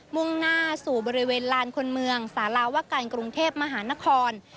มุ่งหน้าสู่บริเวณลานคนเมืองสาราวการกรุงเทพมหานคร